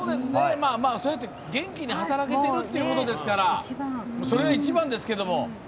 そうやって元気に働けてるってことですからそれが一番ですけれども。